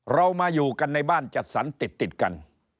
เรามาอยู่กันในบ้านจัดสรรติดกัน